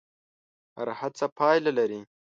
هره هڅه پایله لري.